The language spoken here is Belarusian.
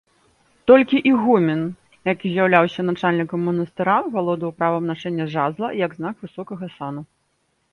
Толькі ігумен, які з'яўляўся начальнікам манастыра, валодаў правам нашэння жазла, як знак высокага сану.